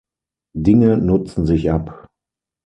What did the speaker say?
Dinge nutzen sich ab.